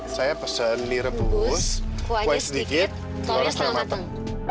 saya pesen li rebus kue sedikit goreng setengah matang